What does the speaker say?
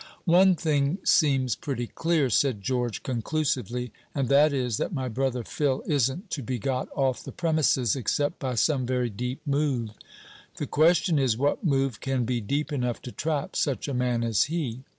"One thing seems pretty clear," said George, conclusively, "and that is, that my brother Phil isn't to be got off the premises except by some very deep move. The question is, what move can be deep enough to trap such a man as he?